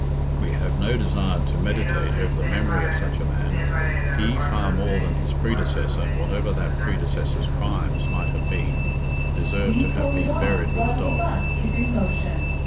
We have no desire to meditate over the memory of such a man. He, far more than his predecessor, whatever that predecessor's crimes might have been, deserved to have been buried with a dog.